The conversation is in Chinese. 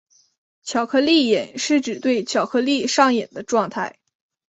巧克力瘾是指对巧克力上瘾的状态。